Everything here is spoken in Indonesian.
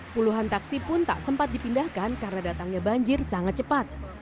puluhan taksi pun tak sempat dipindahkan karena datangnya banjir sangat cepat